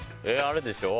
あれでしょ？